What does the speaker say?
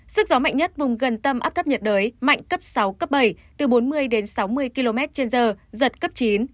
sức gió mạnh nhất vùng gần tâm áp thấp nhiệt đới mạnh cấp sáu cấp bảy từ bốn mươi đến sáu mươi km trên giờ giật cấp chín